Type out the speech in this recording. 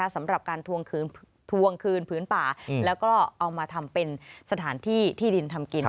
สำหรับการทวงคืนผืนป่าแล้วก็เอามาทำเป็นสถานที่ที่ดินทำกิน